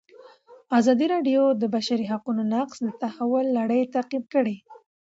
ازادي راډیو د د بشري حقونو نقض د تحول لړۍ تعقیب کړې.